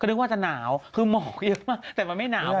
นึกว่าจะหนาวคือหมอกเยอะมากแต่มันไม่หนาว